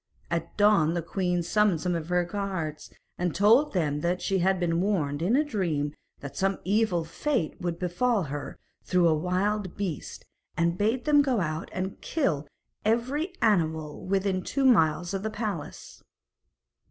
At dawn the queen summoned some of her guards, and told them that she had been warned in a dream that some evil fate would befall her through a wild beast, and bade them go out and kill every animal within two miles of the palace.